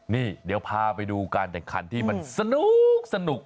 นี่เดี๋ยวพาไปดูการแข่งขันที่มันสนุก